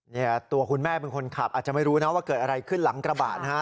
เนี่ยตัวคุณแม่เป็นคนขับอาจจะไม่รู้นะว่าเกิดอะไรขึ้นหลังกระบะนะฮะ